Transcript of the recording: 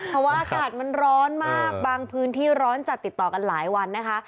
เพราะว่าอากาศมันร้อนมากบางพื้นที่ร้อนจัดติดต่อกันหลายวันนะคะ